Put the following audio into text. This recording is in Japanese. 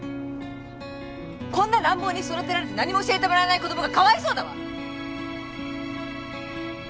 こんな乱暴に育てられて何も教えてもらえない子供がかわいそうだわ！